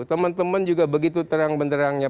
teman teman juga begitu terang benderangnya